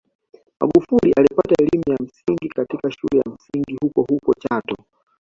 Magufuli alipata elimu ya msingi katika shule ya msingi hukohuko Chato